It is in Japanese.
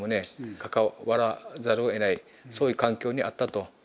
関わらざるをえないそういう環境にあったと。